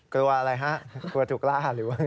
กลัวอะไรฮะกลัวถูกล่า